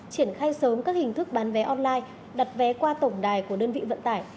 triển khai sớm các hình thức bán vé online đặt vé qua tổng đài của đơn vị vận tải